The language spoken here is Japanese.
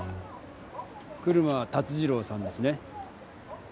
車辰二郎さんですね？